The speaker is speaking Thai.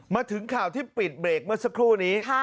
มาถึงข่าวที่ปิดเบรกเมื่อสักครู่นี้